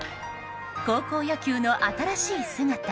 高校野球の新しい姿。